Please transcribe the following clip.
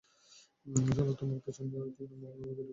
শালা, তোমার পেছনে ঐদিনই আমার মুরগি ঢুকিয়ে দেওয়া উচিত ছিল।